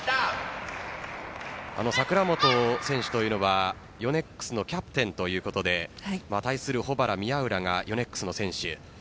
櫻本選手というのはヨネックスのキャプテンということで対する保原・宮浦がヨネックスの選手。